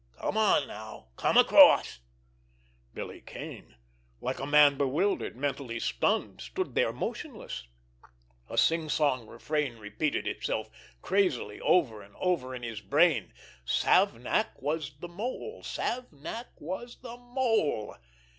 Come on now, come across!" Billy Kane, like a man bewildered, mentally stunned, stood there motionless. A singsong refrain repeated itself crazily over and over again in his brain: "Savnak was the Mole! Savnak was the Mole!"